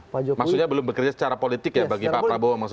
maksudnya belum bekerja secara politik ya bagi pak prabowo